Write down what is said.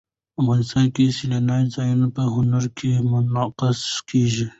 افغانستان کې سیلاني ځایونه په هنر کې منعکس کېږي.